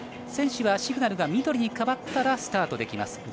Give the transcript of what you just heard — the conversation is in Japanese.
選手はシグナルが緑に変わったらスタートできます。